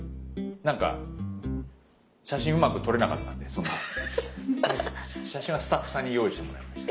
なんか写真うまく撮れなかったんでその写真はスタッフさんに用意してもらいました。